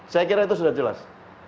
saya kira itu sudah jelas